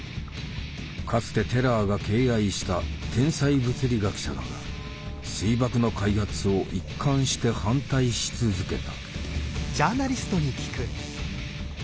かつてテラーが敬愛した天才物理学者だが水爆の開発を一貫して反対し続けた。